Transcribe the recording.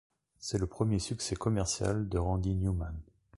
C'est le premier succès commercial de Randy Newman.